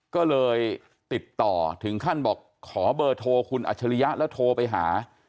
ก็เลยติดต่อถึงขั้นบอกขอเบอร์โทรคุณอัจฉริยะแล้วโทรไปหา